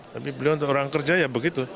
tapi beliau untuk orang kerja ya begitu